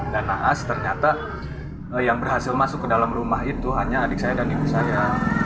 dan nahas ternyata yang berhasil masuk ke dalam rumah itu hanya adik saya dan ibu saya